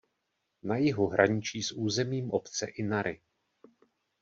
Na jihu hraničí s územím obce Inari.